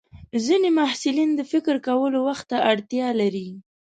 ځینې محصلین د فکر کولو وخت ته اړتیا لري.